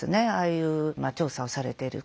いう調査をされていること